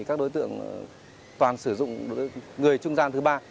các đối tượng toàn sử dụng người trung gian thứ ba